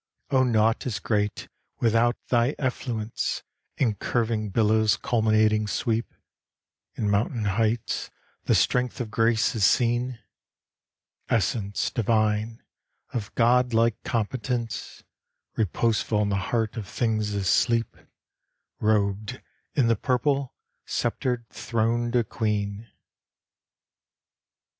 O naught is great without thy effluence! In curving billow's culminating sweep, In mountain heights, the strength of grace is seen. Essence divine, of God like competence, Reposeful in the heart of things as sleep! Robed in the purple, sceptred, throned a queen!